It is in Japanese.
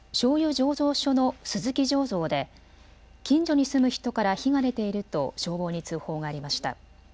醸造所の鈴木醸造で近所に住む人から火が出ていると消防に通報がありました。